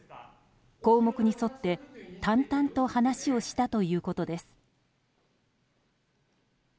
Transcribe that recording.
項目に沿って淡々と話をしたということです。